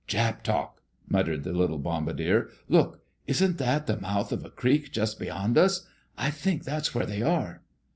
"Jap talk!" muttered the little bombardier. "Look! Isn't that the mouth of a creek just beyond us? I think that's where they are."